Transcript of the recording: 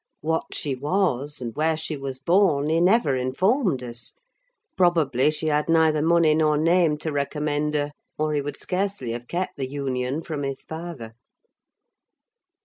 What she was, and where she was born, he never informed us: probably, she had neither money nor name to recommend her, or he would scarcely have kept the union from his father.